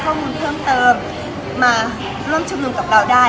เพิ่มเติบมาร่วมชำนุมกับเราได้